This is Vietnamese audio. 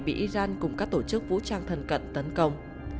bị iran cùng các tổ chức vũ trang thần cận tấn công